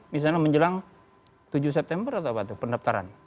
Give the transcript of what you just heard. misalnya menjelang tujuh september atau apa tuh pendaftaran